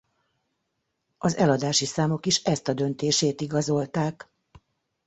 Az eladási számok is ezt a döntését igazolták.